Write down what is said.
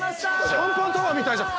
シャンパンタワーみたいじゃん